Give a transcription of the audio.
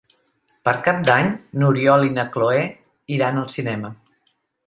Per Cap d'Any n'Oriol i na Cloè iran al cinema.